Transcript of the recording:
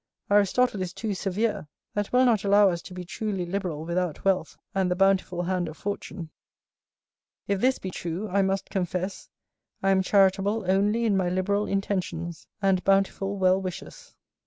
Aristotle is too severe, that will not allow us to be truly liberal without wealth, and the bountiful hand of fortune; if this be true, I must confess I am charitable only in my liberal intentions, and bountiful well wishes.